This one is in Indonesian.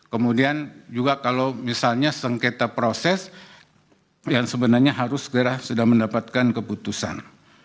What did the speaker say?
kemudian juga kalau misalnya sengketa proses yang sebenarnya harus segera sudah mendapatkan keputusan